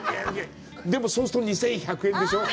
でも、そうすると、２１００円でしょう。